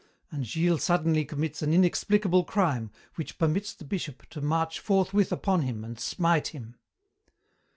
And Gilles suddenly commits an inexplicable crime which permits the Bishop to march forthwith upon him and smite him.